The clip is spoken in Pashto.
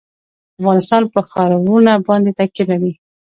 افغانستان په ښارونه باندې تکیه لري.